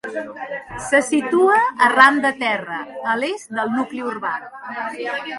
Se situa arran de terra, a l'est del nucli urbà.